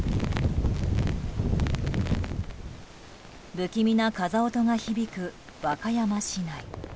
不気味な風音が響く和歌山市内。